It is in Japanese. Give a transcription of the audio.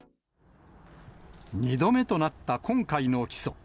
２度目となった今回の起訴。